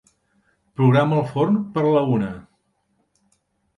Programa el forn per a la una.